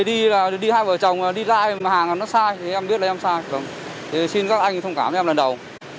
đi hai vợ chồng đi lại mà hàng nó sai em biết là em sai xin các anh thông cảm cho em lần đầu